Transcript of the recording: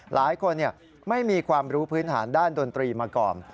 หลายคนไม่มีความรู้พื้นฐานด้านดนตรีมาก่อน